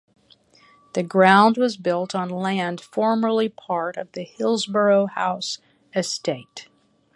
The ground was built on land formerly part of the Hillsborough House estate.